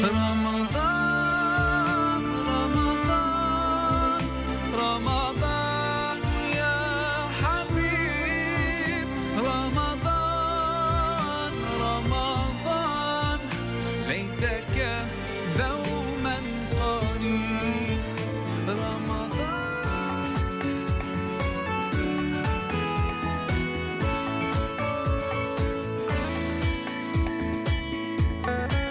รอมะวันรอมะวันไหลแตะแก่เวลาเมืองพรีรอมะวัน